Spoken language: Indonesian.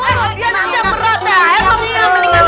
aku yang harus jadi ketua kami